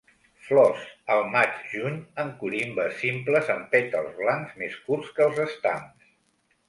Flors al maig-juny en corimbes simples amb pètals blancs més curts que els estams.